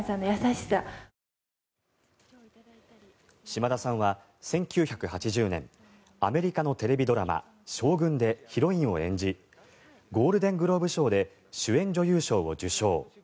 島田さんは１９８０年アメリカのテレビドラマ「将軍ＳＨＯＧＵＮ」でヒロインを演じゴールデン・グローブ賞で主演女優賞を受賞。